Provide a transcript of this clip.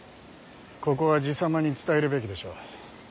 ここは爺様に伝えるべきでしょう。